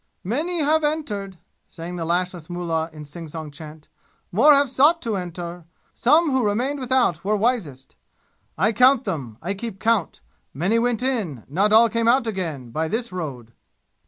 "Many have entered!" sang the lashless mullah in a sing song chant. "More have sought to enter! Some who remained without were wisest! I count them! I keep count! Many went in! Not all came out again by this road!"